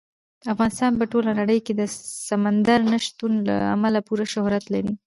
افغانستان په ټوله نړۍ کې د سمندر نه شتون له امله پوره شهرت لري.